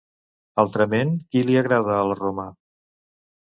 Altrament, qui li agrada a la Roma?